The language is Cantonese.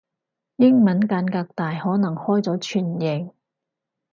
英文間隔大可能開咗全形